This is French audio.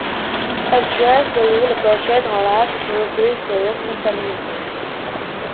Elle dresse de lui le portrait d'un lâche qui refuse ses responsabilités.